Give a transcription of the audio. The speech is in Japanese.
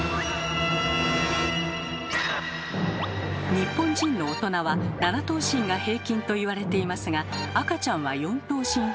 日本人の大人は７頭身が平均と言われていますが赤ちゃんは４頭身ほど。